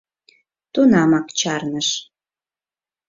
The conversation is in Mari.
Тунамак чарныш.